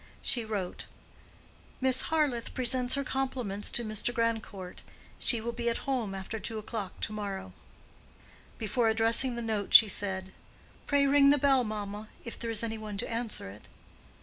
She wrote: "Miss Harleth presents her compliments to Mr. Grandcourt. She will be at home after two o'clock to morrow." Before addressing the note she said, "Pray ring the bell, mamma, if there is any one to answer it."